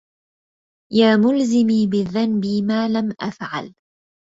يا ملزمي بالذنب ما لم أفعل